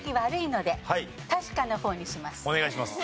お願いします。